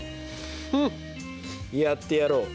フッやってやろう。